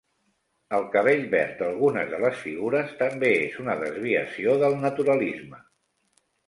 El cabell verd d'algunes de les figures també és una desviació del naturalisme.